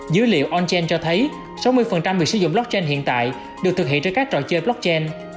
dữ liệu ontin cho thấy sáu mươi việc sử dụng blockchain hiện tại được thực hiện trên các trò chơi blockchain